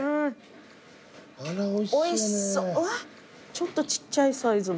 ちょっとちっちゃいサイズも。